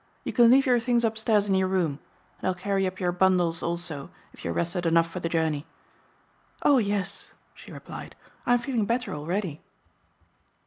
You can leave your things upstairs in your room, and I'll carry up your bundles also if you are rested enough for the journey." "Oh, yes!" she replied, "I'm feeling better already."